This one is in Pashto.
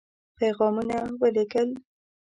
پيغامونه ولېږل.